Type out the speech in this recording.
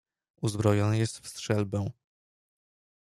"Uzbrojony jest w strzelbę."